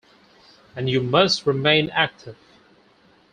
And you must remain active.